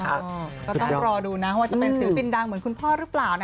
ก็ต้องรอดูนะว่าจะเป็นศิลปินดังเหมือนคุณพ่อหรือเปล่า